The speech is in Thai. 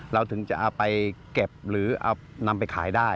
เราถึงจะเอาไปเก็บหรือนำไปขายได้